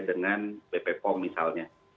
dengan bp pom misalnya